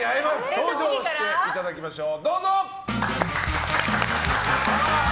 登場していただきましょう。